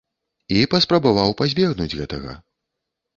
І паспрабаваў пазбегнуць гэтага.